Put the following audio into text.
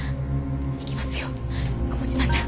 行きますよ久保島さん。